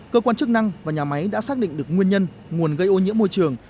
cơ quan chức năng và nhà máy đã xác định được nguyên nhân nguồn gây ô nhiễm môi trường